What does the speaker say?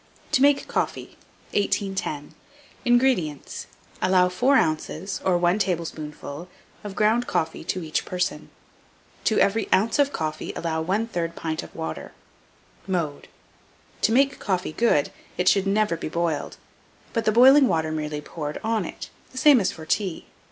TO MAKE COFFEE. 1810. INGREDIENTS. Allow 4 oz., or 1 tablespoonful, of ground coffee to each person; to every oz. of coffee allow 1/3 pint of water. Mode. To make coffee good, it should never be boiled, but the boiling water merely poured on it, the same as for tea.